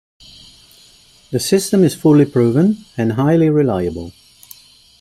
The system is fully proven and highly reliable.